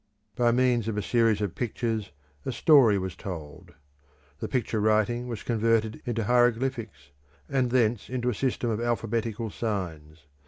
By means of a series of pictures a story was told; the picture writing was converted into hieroglyphics, and thence into a system of alphabetical signs.